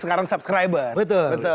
sekarang subscriber betul